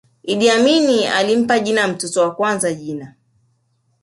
iddi amini alimpa jina mtoto wa kwanza jina